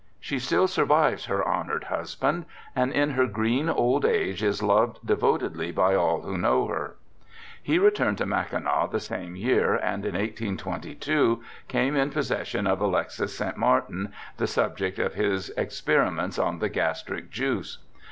(She still survives her honoured husband, and in her green old age is loved devotedly by all who know her.) He returned to Mackinac the same year, and in 1822 came in posses sion of Alexis St. Martin, the subject of his Experiments on the Gastric Juice.